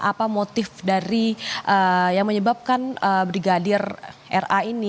apa motif dari yang menyebabkan brigadir ra ini